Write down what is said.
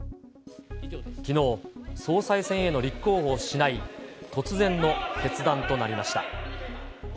きのう、総裁選への立候補をしない、突然の決断となりました。